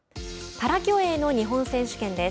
パラ競泳の日本選手権です。